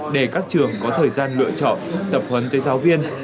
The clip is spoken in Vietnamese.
để các trường có thời gian lựa chọn tập huấn tới giáo viên